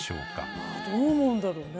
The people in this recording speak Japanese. どう思うんだろうね。